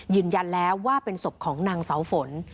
ยืนยันแล้วว่าเป็นศพของนางเสาฝน